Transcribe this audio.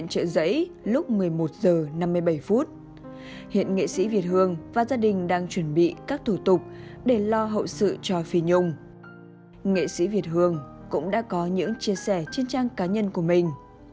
nghệ sĩ việt hương cũng đã có những chia sẻ trên trang cá nhân của mình